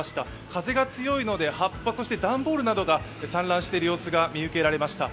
風が強いので葉っぱ、そして段ボールなどが散乱している様子が見受けられました。